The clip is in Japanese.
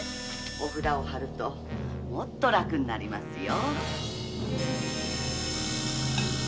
お札を貼るともっと楽になりますよ。